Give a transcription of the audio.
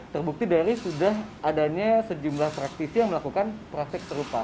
terbukti dari sudah adanya sejumlah praktisi yang melakukan praktek serupa